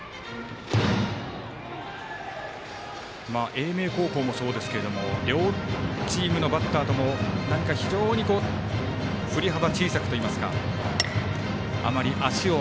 英明高校もそうですが両チームのバッターとも何か非常にふり幅小さくといいますか。